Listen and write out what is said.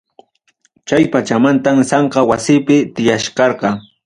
Chay pachamantam samkay wasipi tiyachkarqqa.